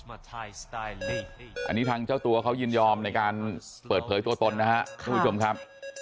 อันนี้ทางเจ้าตัวเขายินยอมในการเปิดเผยตัวตนนะครับทุกผู้ชมครับ